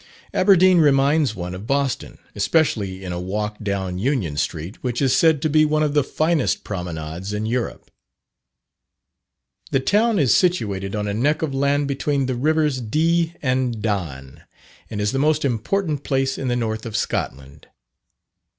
Aberdeen reminds one of Boston, especially in a walk down Union Street, which is said to be one of the finest promenades in Europe. The town is situated on a neck of land between the rivers Dee and Don, and is the most important place in the north of Scotland.